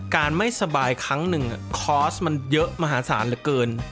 ไม่สบายครั้งหนึ่งคอร์สมันเยอะมหาศาลเหลือเกิน